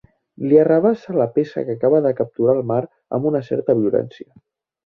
Li arrabassa la peça que acaba de capturar al mar amb una certa violència.